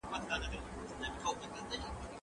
ايا ته کتابتون پاکوې؟